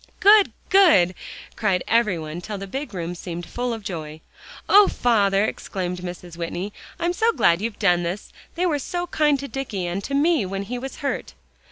"Good, good!" cried every one till the big room seemed full of joy. "Oh, father!" exclaimed Mrs. Whitney, "I'm so glad you've done this. They were so kind to Dicky and to me when he was hurt."